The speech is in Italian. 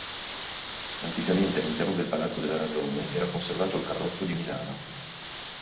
Anticamente all'interno del Palazzo della Ragione era conservato il Carroccio di Milano.